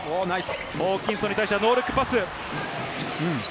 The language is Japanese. ホーキンソンに対してノールックパス！